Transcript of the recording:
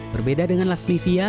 berbeda dengan laksmivia